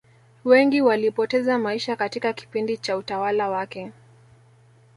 wengi walipoteza maisha katika kipindi cha utawala wake